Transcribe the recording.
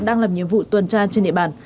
đang làm nhiệm vụ tuần tra trên địa bàn